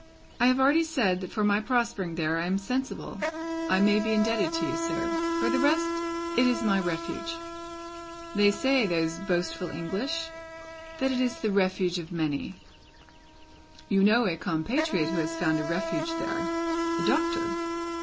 "I have already said, that for my prospering there, I am sensible I may be indebted to you, sir. For the rest, it is my Refuge." "They say, those boastful English, that it is the Refuge of many. You know a compatriot who has found a Refuge there? A Doctor?"